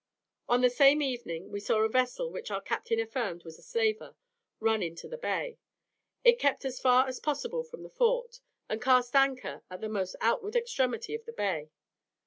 On the same evening we saw a vessel, which our captain affirmed was a slaver, run into the bay. It kept as far as possible from the fort, and cast anchor at the most outward extremity of the bay.